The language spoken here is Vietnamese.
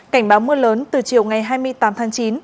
cảnh báo mưa lớn từ chiều ngày hai mươi tám tháng chín